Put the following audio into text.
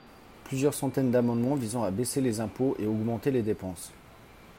plusieurs centaines d’amendements visant à baisser les impôts et augmenter les dépenses.